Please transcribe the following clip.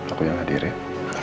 aku yang hadirin